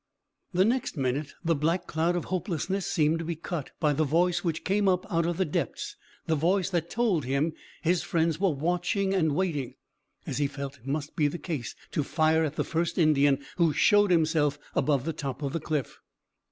The next minute the black cloud of hopelessness seemed to be cut by the voice which came up out of the depths the voice that told him his friends were watching and waiting as he felt must be the case to fire at the first Indian who showed himself above the top of the cliff.